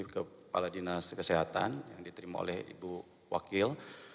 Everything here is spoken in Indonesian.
kepala dinas kesehatan yang diterima oleh ibu wakil